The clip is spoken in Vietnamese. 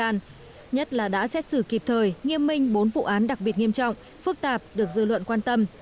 nhất là đã xét xử kịp thời nghiêm minh bốn vụ án đặc biệt nghiêm trọng phức tạp được dư luận quan tâm